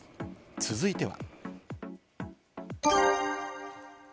続いては。